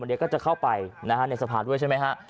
วันเดียวก็จะเข้าไปนะฮะในสะพานด้วยใช่ไหมฮะค่ะ